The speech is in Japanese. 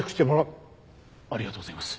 ありがとうございます！